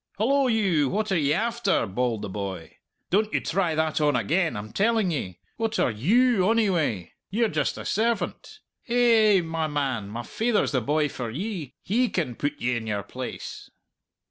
"Hallo you! what are ye after?" bawled the boy. "Don't you try that on again, I'm telling ye. What are you, onyway? Ye're just a servant. Hay ay ay, my man, my faither's the boy for ye. He can put ye in your place."